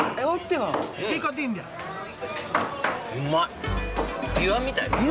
うまい。